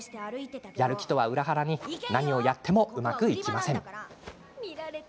やる気とは裏腹に何をやってもうまくいきません。